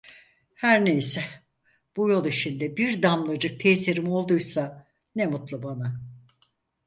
Her ne ise, bu yol işinde bir damlacık tesirim olduysa ne mutlu bana…